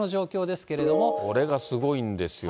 これがすごいんですよね。